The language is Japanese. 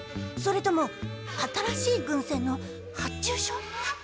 それとも新しい軍船の発注書？